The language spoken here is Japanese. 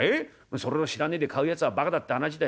それを知らねえで買うやつはバカだって話だい。